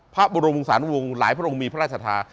พระบรมวงศาลวงศ์หลายพระองค์มีพระราชธา